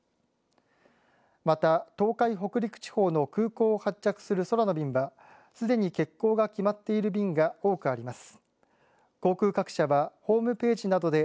また、東海北陸地方の空港を発着する空の便はすでに欠航が決まっている便が多くあります。